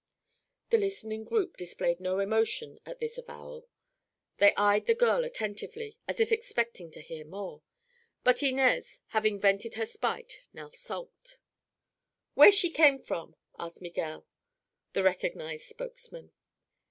The listening group displayed no emotion at this avowal. They eyed the girl attentively, as if expecting to hear more. But Inez, having vented her spite, now sulked. "Where she came from?" asked Miguel, the recognized spokesman.